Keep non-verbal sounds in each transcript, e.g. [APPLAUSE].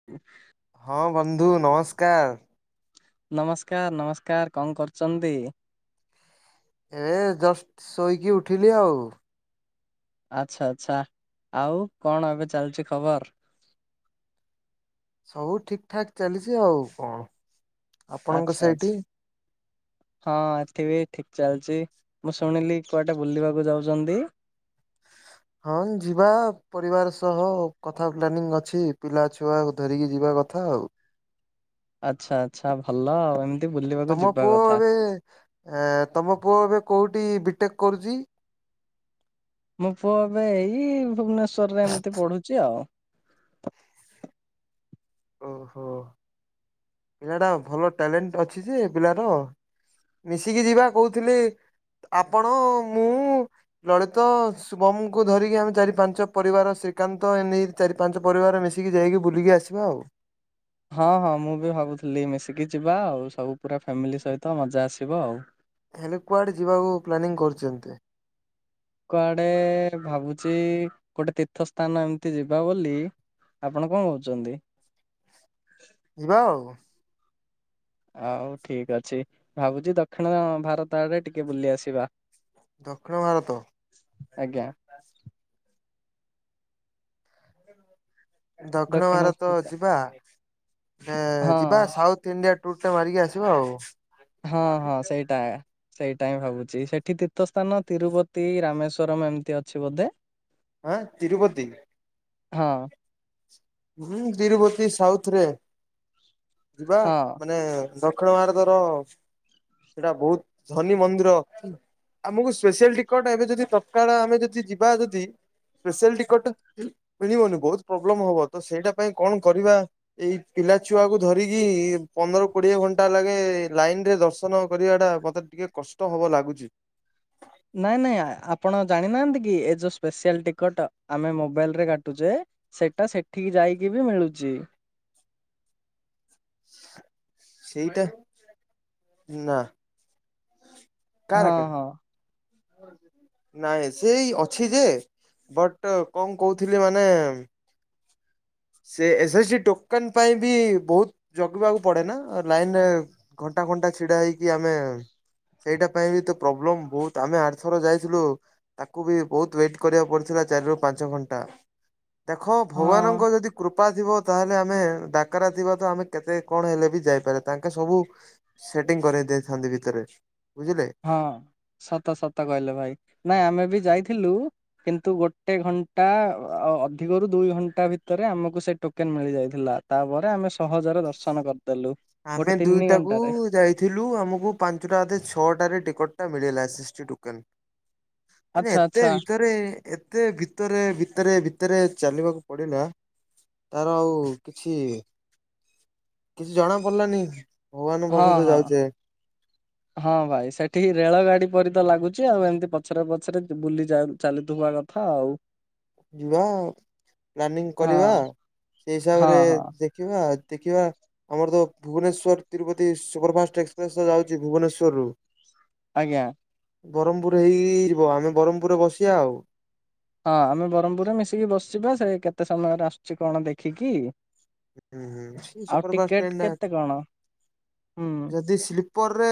[INAUDIBLE] ହଁ ବନ୍ଧୁ ନମସ୍କାର। ନମସ୍କାର ନମସ୍କାର। କଣ କରୁଛନ୍ତି? ଏ ଜଷ୍ଟ ଶୋଇକି ଉଠିଲି ଆଉ। ଆଚ୍ଛା ଆଚ୍ଛା, ଆଉ କଣ ଏବେ ଚାଲିଛି ଖବର? ସବୁ ଠିକ୍ ଠାକ୍ ଚାଲିଛି ଆଉ କଣ। ଆପଣଙ୍କ ଆଚ୍ଛା ଆଚ୍ଛା। ସେଇଠି? ହଁ [UNINTELLIGIBLE] ବିି ଠିକ ଚାଲିଛି। ମୁଁ ଶୁଣିଲି କୁଆଡେ ବୁଲିବାକୁ ଯାଉଛନ୍ତି? ହଁ ଯିବା ପରିବାର ସହ କଥା ପ୍ଲାନିଂ ଅଛି। ପିଲା ଛି ଛୁଆକୁ ଧରିକି ଯିବା କଥା ଆଉ। ଆଚ୍ଛା ଆଚ୍ଛା, ଭଲ ଆଉ ମ୍। ତମ ପୁଅ ଏବେ ଏ ତମ ପୁଅ ଏବେ କୋଉଠି ବିଟେକ୍ କରୁଛି। ମୋ ପୁଅ ଏବେ ଏଇ ଭୁବନେଶ୍ଵରରେ ଏମିତି ପଢୁଛି ଆଉ। ଓହୋ ପିଲାଟା ଭଲ ଟ୍ୟାଲେଣ୍ଟ ଅଛି ଯେ ପିଲାର। ମିଶିକି ଯିବା କହୁଥିଲି ଆପଣ ମୁଁ ଲଳିତ ଶୁଭମକୁ ଧରିକି ଆମେ ଚାରି ପାଞ୍ଚ ପରିବାର ଶ୍ରୀକାନ୍ତ ଏ ନେଇ ଚାରି ପାଞ୍ଚ ପରିବାର ମିଶିକି ଯାଇକି ବୁଲିକି ଆସିବା ଆଉ। ହଁ ହଁ ମୁଁ ବି ଭାବୁଥିଲି ମିଶିକି ଯିବା ଆଉ ସବୁ ପୁରା ଫ୍ୟାମିଲି ସହିତ ମଜା ଆସିବ ଆଉ। ହେଲେ କୁଆଡେ ଯିବାକୁ ପ୍ଲାନିଂ କରୁଛନ୍ତି? କୁଆଡେ ଭାବୁଛି ଗୋଟେ ତୀର୍ଥ ସ୍ଥାନ ଏମିତି ଯିବା ବୋଲି। ଆପଣ କଣ କହୁଛନ୍ତି? ଯିବା ଆଉ। ଆଉ ଠିକ ଅଛି ଭାବୁଛି ଦକ୍ଷିଣ ଭାରତ ଆଡେ ଟିକେ ବୁଲି ଆସିବା। ଦକ୍ଷିଣ ଭାରତ। ଆଜ୍ଞା। ଦକ୍ଷିଣ ଭାରତ ଯିବା ଯେ ହଁ ଯିବା ସାଉଥ୍ ଇଡିଆ ଟୁୁର୍ ଟା ମାରିକି ଆସିବା ଆଉ। ହଁ ହଁ ସେଇଟା। ସେଇଟା ହିଁ ଭାବୁଛି ସେଠି ତୀର୍ଥ ସ୍ଥାନ ତିରୁପତି ରାମେଶ୍ଵରମ ଏମିତି ଅଛି ବୋଧେ। ହଁ ତିରୁପତି। ହଁ। ହୁଁ ତିରୁପତି ସାଉଥରେ ଯିବା ହଁ ମାନେ ଦକ୍ଷିଣ ଭାରତର ସେଇଟା ବହୁତ ଧନୀ ମନ୍ଦିର। ଆମକୁ ସ୍ପେଶିଆଲ ଟିକଟ ଏବେ ଯଦି ତତ୍କାଳ ଆମେ ଯଦି ଯିବା ଯଦି ସ୍ପେଶିଆଲ ଟିକଟ ଉଁ ମିଳିବନି ବହୁତ ପ୍ରୋବ୍ଲେମ ହବ ତ ସେଇଟା ପାଇଁ କଣ କରିବା। ଏଇ ପିଲା ଛୁଆକୁୁ ଧରିକି ପନ୍ଦର କୋଡିଏ ଘଣ୍ଟା ଲାଗେ ଲାଇନରେ ଦର୍ଶନ କରିବା ଟା ମତେ ଟିକେ କଷ୍ଟ ହବ ଲାଗୁଚି। ନାଇଁ ନାଇଁ ଆପଣ ଜାଣିନାହାନ୍ତି କି ଏଇ ଯୋଉ ସ୍ପେଶିଆଲ୍ ଟିକଟ ଆମେ ମୋବାଇଲରେ କାଟୁଛେ ସେଟା ସେଠିକି ଯାଇକି ବି ମିଳୁଛି। ସେଇଟା ନା କାର କେ ହଁ ହଁ। [INAUDIBLE] ନାଇଁ ସେଇ ଅଛି ଯେ ବଟ୍ କଣ କହୁଥିଲି ମାନେ ସେ ଏଇ ସେଇ ସେଇ ଟୋକନ ପାଇଁ ବି ବହୁତ ଜଗିବାକୁ ପଡେନା ଲାଇନରେ ଘଣ୍ଟା ଘଣ୍ଟା ଛିଡା ହେଇକି ଆମେ ସେଇଟା ପାଇଁ ବି ତ ପ୍ରୋବ୍ଲେମ ବହୁତ ଆମେ ଆରଥର ଯାଇଥିଲୁ ତାକୁ ବି ବହୁତ ୱେଟ କରିବାକୁ ପଡିଥିଲା ଚାରିରୁ ପାଞ୍ଚ ଘଣ୍ଟା ଦେଖ ହଁ। ଭଗବାନଙ୍କ ଯଦି କୃପା ଥିବ ତାହେଲେ ଆମେ ଡାକରା ଥିବ ତ ଆମେ କେତେ କଣ ହେଲେବି ଯାଇପାରିବା ତାଙ୍କେ ସବୁ ସେଟିଂ କରେଇ ଦେଇଥାନ୍ତି ଭିତରେ ବୁଝିଲେ। ହଁ ସତ ସତ କହିଲେ ଭାଇ ନା ଆମେବି ଯାଇଥିଲୁ କିନ୍ତୁ ଗୋଟେ ଘଣ୍ଟା ଆ ଆ ଅଧିକରୁୁ ଦୁଇ ଘଣ୍ଟା ଭିତରେ ଆମକୁ ସେ ଟୋକେନ୍ ମିଳିଯାଇଥିଲା। ତାପରେ ଆମେ ସହଜରେ ଦର୍ଶନ କରିଦେଲୁ ଗୋଟେ ଆମେ ତିନି ଦୁଇଟାକୁ ଘଣ୍ଟାରେ ଯାଇ ଥିଲୁ ଆମକୁ ପାଞ୍ଚଟା ବୋଧେ ଛଅଟାରେ ଟିକଟ ଟା ମିଳିଲା ସିସ୍ ଟି ଟୋକେନ ଏରା ଆଚ୍ଛା ଏତେ ଆଚ୍ଛା ଭିତରେ ଏତେ ଭିତରେ ଭିତରେ ଭିତରେ ଚାଲିବାକୁ ପଡିଲା ତାର ଆଉ କିଛି କିଛି ଜଣା ପଡିଲାନି ଭଗବାନଙ୍କ ହଁ ପାଖକୁ ତ ହଁ ଯାଉଛେ ହଁ ଭାଇ ସେଠି ରେଳ ଗାଡି ପରିତ ଲାଗୁଛି ଆଉ ଏମିତି ପଛରେ ପଛରେ ବୁଲି ଯାଉ ଚାଲିଥିବାରେ ଆଉ ଯିବା ପ୍ଲାନିଂ ହଁ କରିବା ସେଇ ହଁ ହିସାବରେ ହଁ ଦେ ଖିବା ଏତିକିବା ଆମର ତ Bhubaneswar Tirupati super fast express ଯାଉଚି ଭୁବନେଶ୍ଵରରୁ ଆଜ୍ଞା ବରହମପୁର ଏଇ ଆମେ ବରହମପୁରରେ ବସିବା ଆଉ ହଁ ଆମେ ବରହମପୁରରେ ମିଶିକି ବସିବା ସେ କେତେ ସମୟରେ ଆସୁଛି କଣ ଦେଖିକି ହଁ ହୁଁ ଆଉ ସୁପର ଫାଷ୍ଟ ଟିକେଟ ଟ୍ରେନ ଡ଼ା କେତେ କଣ ହୁଁ। ଯଦି ସ୍ଲି ପରେରେ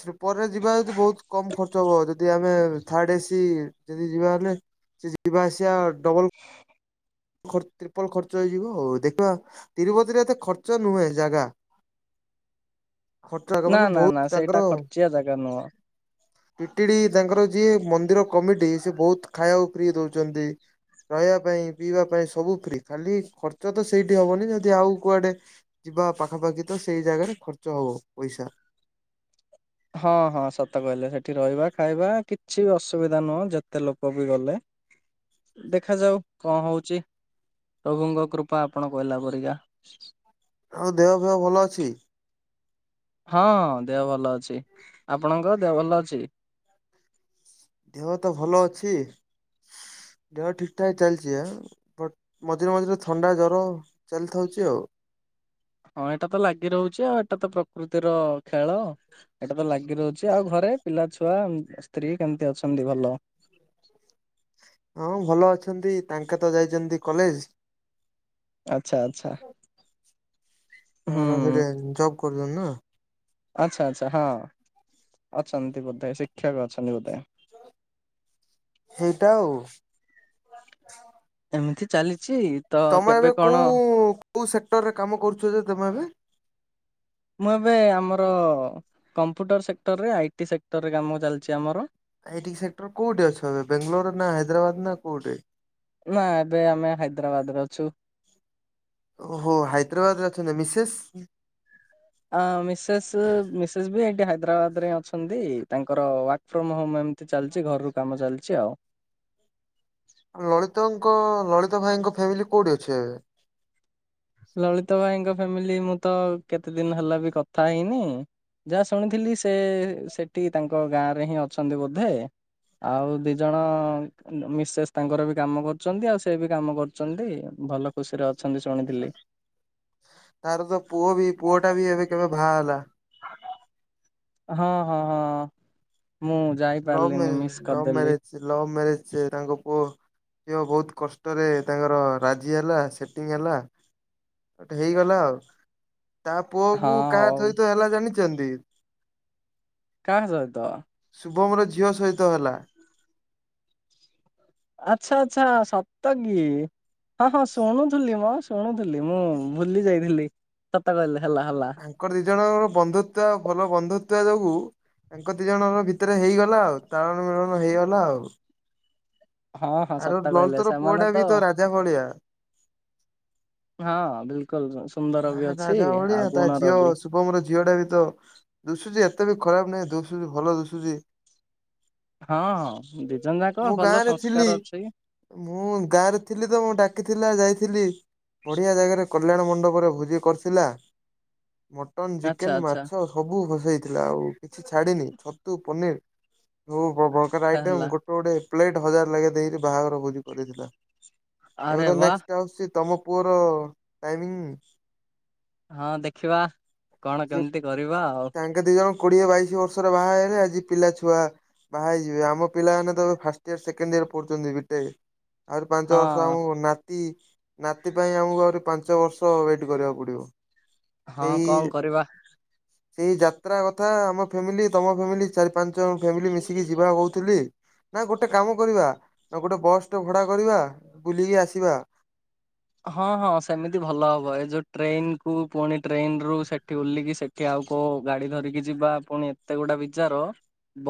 ସ୍ଲିପରେ ଯିବା ଯଦି ବହୁତ କମ ଖର୍ଚ୍ଚ ହବ ଯଦି ଆମେ ଥାର୍ଡ ଏସି ଯଦି ଯିବା ହେଲେ ସେ ଯିବା ଆସିବା ଡବଲ ଖର୍ଚ୍ଚ ଟ୍ରିପଲ ଖର୍ଚ୍ଚ ହେଇଯିବ ହଉ ଦେଖିବା ତିରୁପତିରେ ଏତେ ଖର୍ଚ୍ଚ ନୁହେଁ ଜାଗା ଖର୍ଚ୍ଚ ନା ମାନେ ନା ବହୁତ ନା ସେଇଟା ଖର୍ଚ୍ଚିଆ ଜାଗା ନୁହଁ ପିଟିଡି ତାଙ୍କର ଯିଏ ମନ୍ଦିର କମିଟି ସେବହୁତ ଖାଇବାକୁ ଫ୍ରି ଦଉଚନ୍ତି ଖାଇବା ପାଇଁ ପିଇବା ପାଇଁ ସବୁ ଫ୍ରି ଖାଲି ଖର୍ଚ୍ଚତ ସେଇଠି ହବନି ଯଦି ଆଉ କୁଆଡେ ଯିବା ପାଖାପାଖିତ ସେଇ ଜାଗାରେ ଖର୍ଚ୍ଚ ହବ ପଇସା ହଁ ହଁ ସତ କହିଲେ ସେଠି ରହିବା ଖାଇବା କିଛି ବି ଅସୁବିଧା ନୁହଁ ଯେତେ ଲୋକବି ଗଲେ ଦେଖାଯାଉ କଣ ହଉଚି ପ୍ରଭୁଙ୍କ କୃପା ଆପଣ କହିଲା ପରିକା ଆଉ ଦେହ ଫେହ ଭଲ ଅଛି। ହଁ ଦେହ ଭଲ ଅଛି ଆପଣଙ୍କ ଦେହ ଭଲ ଅଛି? ଦେହତ ଭଲ ଅଛି ଦେହ ଠିକ ଠାକ ଚାଲିଚି ଆ ବଟ ମଝିରେ ମଝିରେ ଥଣ୍ଡା ଜର ସେମିତିହଉଚି ଆଉ ହଁ ଏଇଟାତ ଲାଗି ରହୁଛି ଆଉ ଏଇଟା ତ ପ୍ରକୃତିର ଖେଳ ଏଟାତ ଲାଗିରହୁଚି ଆଉ ଘରେ ପିଲା ଛୁଆ ଉ ସ୍ତ୍ରୀ କେମିତି ଅଛନ୍ତି ଭଲ ହଁ ଭଲ ଅଛନ୍ତି ତାଙ୍କେତ ଯାଇଚନ୍ତି କଲେଜ ଆଛା ଆଛା ଆପଣ ସେଠି ଜବ କରୁଚନ୍ତି ନା ଆଛା ଆଛା ହଁ ଅଛନ୍ତି ବୋଧେ ଶିକ୍ଷକ ଅଛନ୍ତି ବୋଧେ ସେଇଟା ଆଉ ଏମିତି ଚାଲିଚି ତମେ ଏବେ କୋଉ କୋଉ ସେକ୍ଟରରେ କାମ କରୁଚଯେ ତମେ ଏବେ? ମୁଁ ଏବେ ଆମର କମ୍ପ୍ୟୁଟର ସେକ୍ଟରରେ ଆଇ ଟି ସେକ୍ଟରରେ କାମ ଚାଲିଚି ଆମର ଆଇଟି ସେକ୍ଟର କୋଉଠି ଅଛ ଏବେ ବେଙ୍ଗଲୋର ନା ହାଇଦ୍ରାବାଦ ନା କୋଉଠି? ନା ଏବେ ଆମେ ହାଇଦ୍ରାବାଦରେ ଅଛୁ। ଓହୋ ହାଇଦ୍ରାବାଦରେ ଅଛନ୍ତି ମିସେସ ଆ ମିସେସେ ମେସେସେ ବି ଏଠି ହାଇଦ୍ରାବାଦରେ ଅଛନ୍ତି ତାଙ୍କର ୱାଟ ଫ୍ରମ ହୋମ ଏମିତି ଚାଲିଚି ଘରରୁ କାମ ଚାଲିଚି ଆଉ ଲଳିତଙ୍କ ଲଳିତ ଭାଇଙ୍କ ଫ୍ୟାମିଲି କୋଉଠି ଅଛି ଆଜ୍ଞା ଲଳିତ ଭାଇଙ୍କ ଫ୍ୟାମିଲି ମୁଁ ତ କେତେ ଦିନି ହେଲା ବି କଥା ହେଇନି। ଯାହା ଶୁଣିଥିଲି ସେ ସେଠି ତାଙ୍କ ଗାଁ ରେ ହିଁ ଅଛନ୍ତି ବୋଧେ। ଆଉ ଦି ଜଣ ମିସେସ୍ ତାଙ୍କର ବି କାମ କରୁଛନ୍ତି ଆଉ ସେ ବି କାମ କରୁଛନ୍ତି ଭଲ ଖୁସିରେ ଅଛନ୍ତି ଶୁଣିଥିଲି। ତାର ତ ପୁଅ ବି ପୁଅ ଟା ବି ଏବେ କେବେ ଭାଆ ହେଲା। ହଁ, ହଁ, ହଁ ମୁଁ ଲଭ୍ ଯାଇପାରିଲିନି ମିସ୍ ମ୍ୟାରେଜ ଲଭ୍ କରିଦେଲି। ମ୍ୟାରେଜ ଲଭ୍ ମ୍ୟାରେଜ୍ ତାଙ୍କ ପୁଅ। ଝିଅ ବହୁତ କଷ୍ଟରେ ତାଙ୍କର ରାଜି ହେଲା ସେଟିଂ ହେଲା। ଗୋଟେ ହେଇଗଲା ଆଉ, ତା ପୁଅ ହଁ କୁ କାହା ହଉ ସହିତ ହେଲା ଜାଣିଚନ୍ତି? କା ସହିତ? ଶୁଭମର ଝିଅ ସହିତ ହେଲା। ଆଚ୍ଛା, ଆଚ୍ଛା ସତ କିି? ହଁ ହଁ ଶୁଣୁଥୁଲି ମୁଁ ଶୁଣୁଥିଲି ମୁଁ ଭୁଲି ଯାଇଥିଲି ସତ କହିଲେ ହେଲା ହେଲା। ତାଙ୍କର ଦି ଜଣଙ୍କର ବନ୍ଧୁତ୍ୱ ଭଲ ବନ୍ଧୁତ୍ୱ ଯୋଗୁ ତାଙ୍କ ଦି ଜଣଙ୍କ ଭିତରେ ହେଇଗଲା ଆଉ ତାଳନ ମିଳନ ହେଇଗଲା ଆଉ। ହଁ, ହଁ ଆର ସତ କହିଲେ, ଲଳିତର ପୁଅ ସେମାନେ ଟା ତ ବି ରାଜା ଭଳିଆ। ହଁ ବିଲକୁଲ ସୁନ୍ଦର ବି ଅଛି ଆଉ ଗୁଣ ର ବି। ଶୁଭମ ର ଝିଅଟା ବି ତ ଦୁଶୁଚି ଏତେ ବି ଖରାପ ନାହିଁ ଦୁଶୁଚୁ ଭଲ ଦୁଶୁଚି। ହଁ ହଁ ଦି ଜଣ ଯାକ ମୁଁ ଗାଁ ଭଲ ରେ ଥିଲି ସଂସ୍କାର ଅଛି। ମୁଁ ଗାଁରେ ଥିଲି ତ ମୁଁ ଡାକିଥିଲା ଯାଇଥିଲି, ବଢିଆ ଜାଗାରେ କଲ୍ୟାଣ ମଣ୍ଡପ ପରେ ଭୋଜି କରିଥିଲା ମଟନ୍, ଆଚ୍ଛା ଚିକେନ୍, ଆଚ୍ଛା ମାଛ ସବୁ ହ-ହେଇଥିଲା ଆଉ କିଛି ଛାଡିିନି ଛତୁ ପନିର୍ ପୁ- ପ - ପ -ପ୍ରକାର ଆଇଟମ ହେଲା। ଗୋ ଟ ଗୋଟେ ପ୍ଲେଟ୍ ହଜାର ଲାଗେ ଦେଇକିରି ବାହାଘର ଭୋଜି କରିଥିଲା। ଏବେ ଆରେ ତ ବା ନେକ୍ସଟ୍ ଆସୁଛି ତୋମ ପୁଅର ଟାଇମିଂ। ହଁ ଦେଖିବା କଣ ସିଏ କେମିତି କରିବା ଆଉ। ତାଙ୍କେ ଦି ଜଣ କୋଡିଏ ବାଇଶି ବର୍ଷରେ ବାହା ହେଲେ ଆଜି ପିଲା ଛୁଆ ବାହା ହେଇଯିବେ ଆମ ପିଲାମାନେ ତ ଫାଷ୍ଟ ଇୟର୍ ସେକେଣ୍ଡ୍ ଇୟର୍ ପଢୁଛନ୍ତି ବି ଟେକ୍। ଆଉରି ପାଞ୍ଚ ହଁ ବର୍ଷ ଆମକୁ ନା ତି ନାତି ପାଇଁ ଆମକୁ ଆଉରି ପାଞ୍ଚ ବର୍ଷ ୱେଟ୍ କରିବାକୁ ପଡିବ। ହଁ ସେଇ କଣ କରିବା। ସେଇ ଯାତ୍ରା କଥା ଆମ ଫ୍ୟାମିଲି ତୋମ ଫ୍ୟାମିଲି ଚାରି ପାଞ୍ଚ ଜଣ ଫ୍ୟାମିଲି ମିଶିକି ଯିବା କହୁଥିଲି। ନା ଗୋଟେ କାମ କରିବା ନା ଗୋଟେ ବସ୍ ଟେ ଭଡା କରିବା ବୁଲିକି ଆସିବା। ହଁ, ହଁ ସେମିତି ଭଲ ହବ ଏ ଯୋଉ ଟ୍ରେନ୍ କୁ ପୁଣି ଟ୍ରେନ୍ ରୁ ସେଠି ଉଲିକି ସେ ଠି ଆଉ କୋଉ ଗାଡି ଧରିକି ଯିବା ପୁଣି ଏତେ ଗୋଟା ବିଜାର।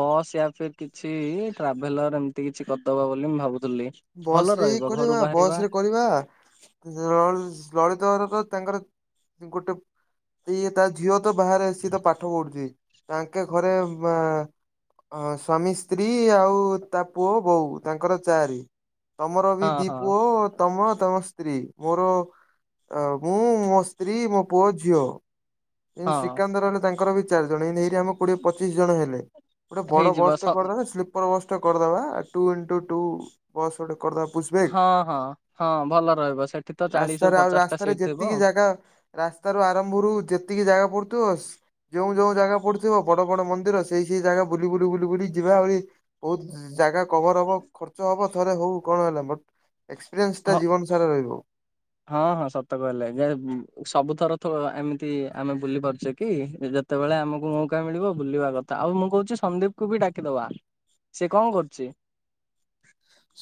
ବସ୍ ୟା ଫେର୍ କିଛି ଟ୍ରାଭେଲର୍ ଏମିତି କିଛି କରିଦବା ବୋଲି ମୁଁ ଭାବୁଥୁଲି। ବସ୍ ରେ ଇ କରିବା ବସ୍ ରେ କରି ବା ଲଳ- ଲଳିତ ଘର ତ ତାଙ୍କର ତ ଗୋଟେ ଇଏ ତା ଝିଅ ତ ବାହାରେ ସିଏ ତ ପାଠ ପଢୁଛି, ତାଙ୍କେ ଘରେ ବା ହଁ ସ୍ୱାମୀ ସ୍ତ୍ରୀ ଆଉ ତା ପୁଅ ବୋଉ ତାଙ୍କର ଚାରି। ତୋମର ବି ହଁ ଦି ହଁ ପୁଅ ତୋମ ତୋମ ସ୍ତ୍ରୀ, ମୋର ଅ, ମୁଁ ମୋ ସ୍ତ୍ରୀ, ମୋ ପୁଅ, ଝିଅ। ଏଇ ହଁ ଶ୍ରୀକାନ୍ତ ରହିଲେ ତାଙ୍କର ବି ଚାରି ଜଣ, ଏମତି ଏଇଠି ଆମ କୋଡିଏ ପଚିଶ ଜଣ ହେଲେ, ଗୋଟେ ବଡ ହେଇଯିବ ବସ୍ ସ ଟେ କରିଦେନେ ସ୍ଲିପ୍ ପର ବସ୍ କରିଦବା ଟୁ ଇନଟୁ ଟୁ ବସ୍ ଗୋଟେ କରିଦବା ପୁସ୍ ବେ, ହଁ ହଁ ହଁ ଭଲ ରହିବ ସେଠି ତ ଚାଳିଶ ରୁ ରାସ୍ତାରେ ଆଉ ପଚାଶ ଟା ରାସ୍ତାରେ ସିଟ୍ ଥିବ। ଯେତିକି ଜାଗା ରାସ୍ତା ରୁ ଆରମ୍ଭରୁୁ ଯେତିକି ଜାଗା ପଡୁଥିବ ଯୋଉଁ ଯୋଉଁ ଜାଗା ପଡୁଥିବ ବଡ ବଡ ମନ୍ଦିର ସେଇ ସେଇ ଜାଗା ବୁଲି ବୁଲି ବୁଲି ବୁଲି ଯିବା ଆହୁରି ବହୁତ ଜ-ଜାଗା କଭର୍ ହବ ଖର୍ଚ୍ଚ ହବ ଥରେ ହଉ କଣ ହେଲା ମୋ ଏକ୍ସପିରିଏନ୍ସ ଟା ହଁ ଜୀବନ ସାରା ରହିବ। ହଁ ହଁ ସତ କହିଲେ ଯେ ହୁଁ ସବୁଥର ଥ ଏମିତି ଆମେ ବୁଲି ପାରୁଛେ କି [UNINTELLIGIBLE] ତେବେଳେ ଆମକୁ ମୌକା ମିଳିବ ବୁଲିବା କଥା। ଆଉ ମୁଁ କହୁଛି ସନ୍ଦୀପ୍କୁୁବି ଡାକିଦବା? ସେ କଣ କରୁଛି?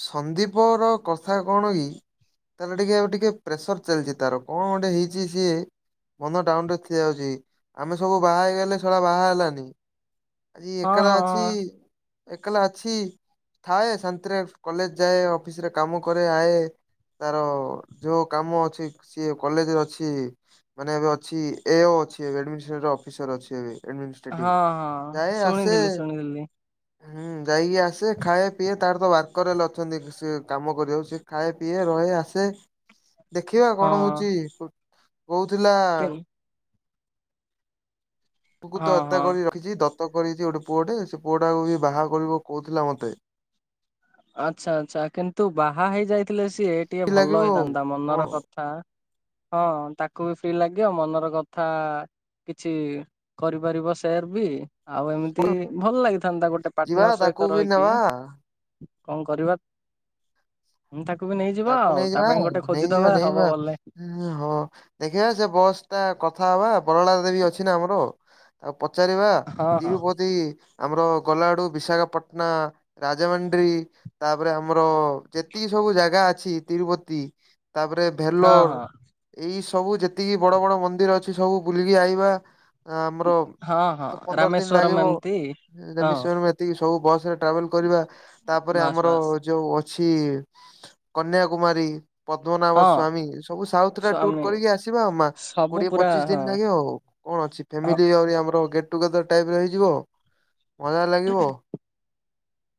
ସନ୍ଦୀପର କଥା କଣ କି? ତାହେଲେ ଟିକେ ଆଉ ଟିକେ ପ୍ରେସର୍ ଚାଲିଛି ତାର କଣ ଅଁଟେ ହେଇଛି ସିଏ। ମନ ଡାଉନ୍ ରେ ଥିଆ ହୋଉଛି ଆମେ ସବୁ ବାହା ହେଇଗଲେ ଶଳା ବାହା ହେଲାନି ଆଜି ହଁ ଏକଲା ହଁ ଅଛି ଏକଲା ଅଛି ଥାଏ ଶାନ୍ତିରେ କଲେଜ୍ ଯାଏ ଅଫିସିରେ କାମ କରେ ଆଏ। ତାର ଯୋଉ କାମ ଅଛି ସିଏ କଲେଜରେ ଅଛି। ମାନେ ଏବେ ଅଛି ଏ ଓ ଅଛି ଏବେ ଏଡ଼୍ମିଷୋର ଅଫିସର ଅଛି ଏବେ ହଁ ଏମିନ୍ଷ୍ଟେକ୍ ହଁ ହଁ ଶୁଣିଥିଲି ଶୁଣିଥିଲି। ହୁଁ ଯାଇ ଇଏ ଆସେ ଖାଏ ପିଏ ତାର ତ ୱାର୍କର ହେଲେ ଅଛନ୍ତି ସେ କାମ କରିବାକୁ ସି ଖାଏ ପିଏ ରହେ ଆସେ [INAUDIBLE] ଦେଖିବା ହଁ କଣ ହଉଛି କହୁଥିଲା କି ପୁଗୁ ହଁ ତ ଏତେ ହଁ। କରି ରଖିଛି ଦତ୍ତ କରିଛି ଗୋଟେ ପୁଅଟେ ସେ ପୁଅଟାକୁ ବି ବାହା କରିବ କହୁଥିଲା ମତେ? ଆଚ୍ଛା ଆଚ୍ଛା କିନ୍ତୁ ବାହା ହେଇ ଯାଇଥିଲେ ସିଏ ଟିଏ ଲାଗିବ ଭଲ ଆଉ ହେଇଥାନ୍ତା। ମନର କଣ କଥା ହଁ ତାକୁ ବି ଫ୍ରି ଲାଗିବ ମନର କଥା କିଛି କରିପାରିବ ସେୟାର ବି। ଆଉ ଏମିତି ଭଲ ଲାଗିଥାନ୍ତା ଗୋଟେ ଯିବା ପାଟ୍ନର ତାକୁ ବି ରହିକି ନେବା କଣ କରିବା? ମୁଁ ତାକୁ ବି ନେଇଯିବା ତାକୁ ଆଉ ତା ପାଇଁ ଗୋଟେ ଖୋଜିଦବା ହବ ବଲେ। ଉୁଁ ହଁ ଦେଖିବା ସେ ବସ୍ ଟା କଥା ହବା ବରଳା ଦେବୀ ଅଛି ନା ଆମର। ତାକୁ ପଚାରିବା ହଁ ହଁ ତିରୁପତି ଆମର ଗଲାଆଡ଼ୁ ବିଶାଖାପଟ୍ନା ରାଜମଣ୍ଡି ତା ପରେ ଆମର ଯେତିକି ସବୁ ଜାଗା ଅଛି ତିରୁପତି ତା ପରେ ହଁ ଭେଲୋର୍। ହଁ ଏଇ ସବୁ ଯେତିକି ବଡ଼ ବଡ଼ ମନ୍ଦିର ଅଛି ସବୁ ବୁଲିକି ଆଇବା। ଆଁ ଆମର ହଁ ହଁ ତ ପନ୍ଦର ଦିନ୍ ରାମେଶ୍ଵରମ ଲାଗିବ ଏମିତି ରେ ହଁ ମିଶଣ ଏତିକି ସବୁ ବସ ରେ ଟ୍ରାଭେଲ୍ କରିବା ତା ପରେ ବାସ୍ ଆମର ବାସ୍ ଯୋଉ ଅଛି କନ୍ୟାକୁମାରୀ ପଦ୍ମନାଭ ହଁ। ସ୍ଵାମୀ ସବୁ ସାଉଥ୍ ରା ଟୁର ସ୍ଵାମୀ କରିକି ଆସିବା ଅମ୍ ମା ସବୁ କୋଡ଼ିଏ ପୁରା ପଚିଶ ହଁ ଦିନ ଲାଗେ ଆଉ କଣ ଅଛି? ହଁ ଫାମିଲି ଆଉରି ଆମର ଗେଟ୍ ଟୁଗେଦର ଟାଇପ୍ର ହେଇଯିବ ମଜା ଲାଗିବ?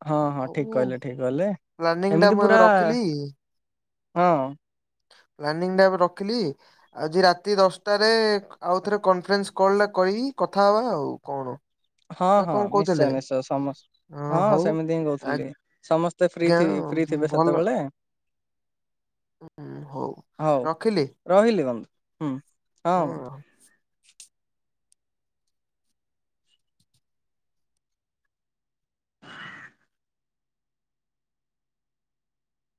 ହଁ ହଁ ଠିକ ହଉ କହିଲେ ଠିକ କହିଲେ ପ୍ଲାନିଂ ଟା ଏମିତି ମୁଁ ଏବେ ପୁରା ରଖିଲି ହଁ। ପ୍ଲାନିଂଣ୍ଡା ଏବେ ରଖିଲି। ଆଜି ରାତି ଦଶଟାରେ ଖା ଆଉ ଥରେ କନ୍ଫରେନ୍ସ କଲା କହିି କଥା ହବା। ଆଉ କଣ? ହଁ ନା ହଁ କଣ କହୁଥିଲେ ନିଶ୍ଚୟ ନିଶ୍ଚୟ ସମସ୍। ଅ ହଁ ହଉ ସେମିତି ହିଁ କହୁଥିଲି ସମସ୍ତେ ଫ୍ରି ଆଜ୍ଞା ଥିବି ଫ୍ରି ଥିବେ ଭଲ ସେତେବେଳେ [INAUDIBLE] ହୁଁ ହଉ ହଉ ରଖିଲି? ରହିଲି ଗମ୍ ହୁଁ ହୁଁ। ହଁହଁ।